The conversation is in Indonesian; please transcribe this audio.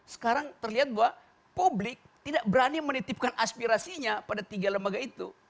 sekarang terlihat bahwa publik tidak berani menitipkan aspirasinya pada tiga lembaga itu